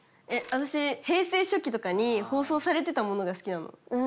私平成初期とかに放送されてたものが好きなの。